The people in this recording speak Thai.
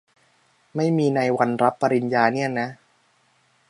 ไม่มีในวันรับปริญญาเนี่ยนะ ?